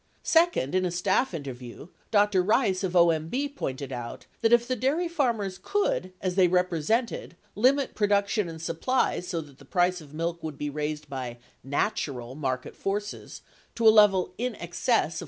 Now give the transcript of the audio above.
98 Second, in a staff interview, Dr. Rice of OMB pointed out that if the dairy farmers could (as they represented) limit production and supply so that the price of milk would be raised by "natural" market forces to a level in excess of $4.